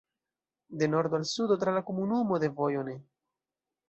De nordo al sudo tra la komunumo de vojo ne.